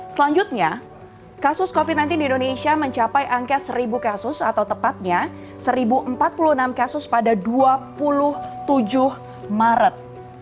selanjutnya kasus covid sembilan belas di indonesia mencapai angka seribu kasus atau tepatnya satu empat puluh enam kasus pada dua puluh tujuh maret